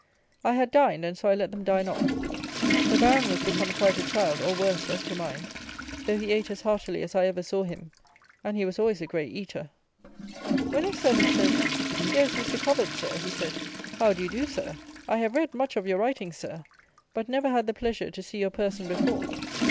I had dined, and so I let them dine on. The Baron was become quite a child, or worse, as to mind, though he ate as heartily as I ever saw him, and he was always a great eater. When his servant said, "Here is Mr. Cobbett, Sir;" he said, "How do you do, Sir? I have read much of your writings, Sir; but never had the pleasure to see your person before."